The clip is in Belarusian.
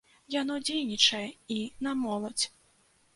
Яно дзейнічае і на моладзь.